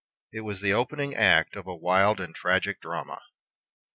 It was the opening act of a wild and tragic drama.